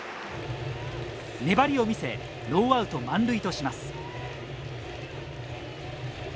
粘りを見せノーアウト満塁とします。